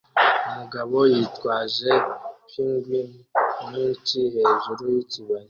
Umugabo yitwaje pingwin nyinshi hejuru yikibaya